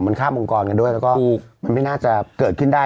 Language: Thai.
มันข้ามองค์กรกันด้วยแล้วก็มันไม่น่าจะเกิดขึ้นได้